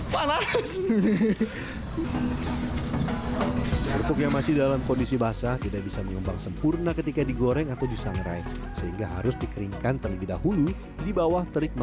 warga biasa menyebutnya dengan melempem